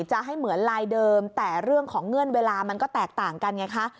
จะให้เหมือนลายเดิมแต่เรื่องของเงื่อนเวลามันก็แตกต่างกันไงคะ